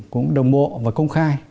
cũng đồng bộ và công khai